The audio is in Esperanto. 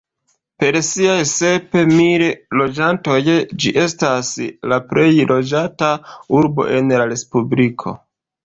Per siaj sep mil loĝantoj ĝi estas la plej loĝata urbo en la respubliko.